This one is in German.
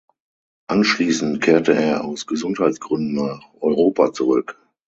Anschließend kehrte er aus Gesundheitsgründen nach Europa zurück.